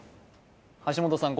橋本さん